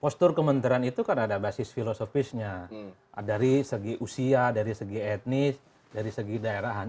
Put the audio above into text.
postur kementerian itu kan ada basis filosofisnya dari segi usia dari segi etnis dari segi daerahan